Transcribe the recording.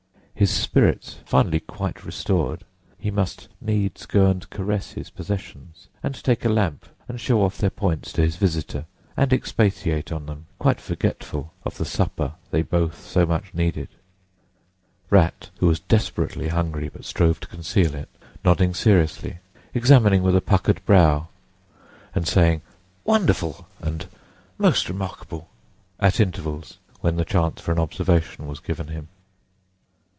His spirits finally quite restored, he must needs go and caress his possessions, and take a lamp and show off their points to his visitor and expatiate on them, quite forgetful of the supper they both so much needed; Rat, who was desperately hungry but strove to conceal it, nodding seriously, examining with a puckered brow, and saying, "wonderful," and "most remarkable," at intervals, when the chance for an observation was given him.